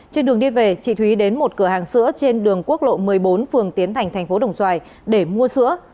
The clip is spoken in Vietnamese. trên đường đi về chị thúy đến một cửa hàng sữa trên đường quốc lộ một mươi bốn phường tiến thành thành phố đồng xoài để mua sữa